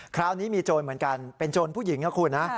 คราวนี้มีโจรเหมือนกันเป็นโจรผู้หญิงนะคุณนะ